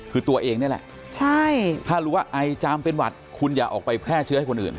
คือตัวเองนี่แหละถ้ารู้ว่าไอจามเป็นหวัดคุณอย่าออกไปแพร่เชื้อให้คนอื่น